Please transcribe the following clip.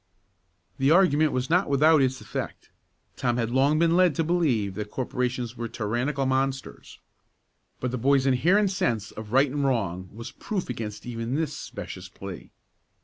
The argument was not without its effect. Tom had long been led to believe that corporations were tyrannical monsters. But the boy's inherent sense of right and wrong was proof against even this specious plea.